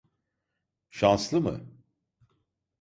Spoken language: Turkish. Şanslı mı?